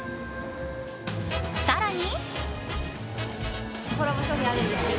更に。